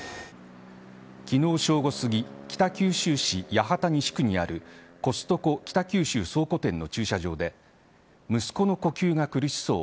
昨日正午すぎ北九州市八幡西区にあるコストコ北九州市倉庫店の駐車場で息子の呼吸が苦しそう。